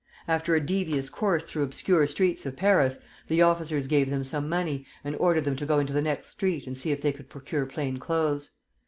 After a devious course through obscure streets of Paris, the officers gave them some money, and ordered them to go into the next street and see if they could procure plain clothes.